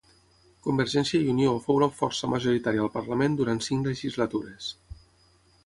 Convergència i Unió fou la força majoritària al Parlament durant cinc legislatures.